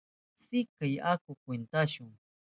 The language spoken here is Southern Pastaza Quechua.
Sikay, aku kwintashu.